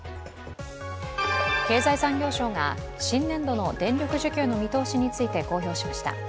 経済産業省が新年度の電力需給の見通しについて公表しました。